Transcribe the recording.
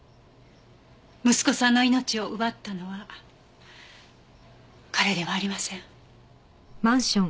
息子さんの命を奪ったのは彼ではありません。